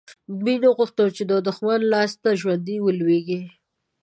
دوی نه غوښتل چې د دښمن لاسته ژوندي ولویږي.